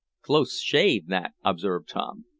"Close shave that," observed Tom.